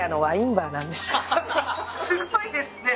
すごいですね。